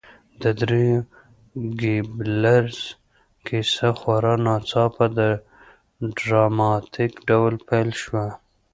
د دریو ګيبلز کیسه خورا ناڅاپه او ډراماتیک ډول پیل شوه